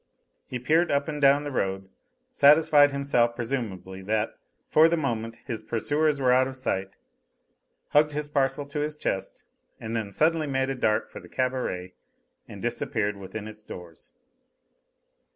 He peered up and down the road, satisfied himself presumably that, for the moment, his pursuers were out of sight, hugged his parcel to his chest, and then suddenly made a dart for the cabaret and disappeared within its doors.